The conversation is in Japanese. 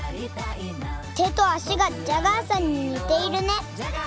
手と足がジャガーさんに似ているね。